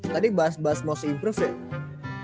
tadi bahas bahas most improve ya